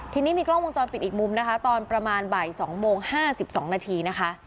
ทีนี้มีกล้องวงจรปิดอีกมุมนะคะตอนประมาณบ่าย๒โมง๕๒นาทีนะคะ